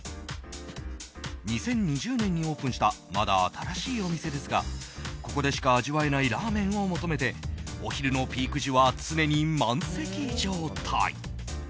２０２０年にオープンしたまだ新しいお店ですがここでしか味わえないラーメンを求めてお昼のピーク時は常に満席状態。